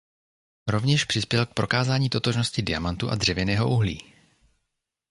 Rovněž přispěl k prokázání totožnosti diamantu a dřevěného uhlí.